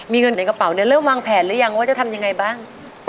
มีเงินในกระเป๋าเนี่ยเริ่มวางแผนหรือยังว่าจะทำยังไงบ้าง